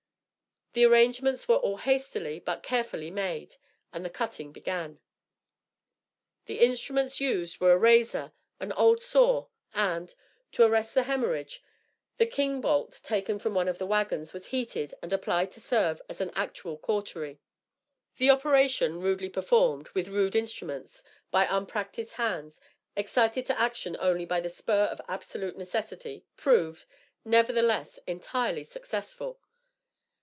The arrangements were all hastily, but carefully made, and the cutting begun. The instruments used were a razor, an old saw; and, to arrest the hemorrhage, the king bolt taken from one of the wagons was heated and applied to serve as an actual cautery. The operation, rudely performed, with rude instruments, by unpractised hands, excited to action only by the spur of absolute necessity, proved, nevertheless, entirely successful.